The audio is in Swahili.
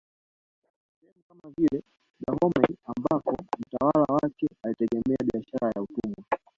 Sehemu kama vile Dahomey ambako mtawala wake alitegemea biashara ya utumwa